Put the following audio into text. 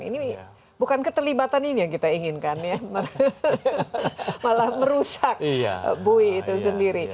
ini bukan keterlibatan ini yang kita inginkan ya malah merusak bui itu sendiri